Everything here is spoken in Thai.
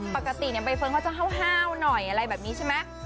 ปกติเนี่ยใบเฟิร์นก็จะห่าวหน่อยอะไรแบบนี้ใช่มะ